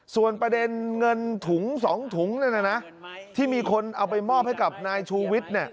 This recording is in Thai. ส่วนประเด็นเงินถุง๒ถุงที่มีคนเอาไปมอบให้กับนายชูวิทย์